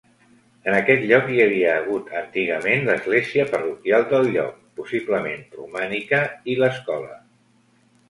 En aquest lloc hi havia hagut antigament l'església parroquial del lloc, possiblement romànica, i l'escola.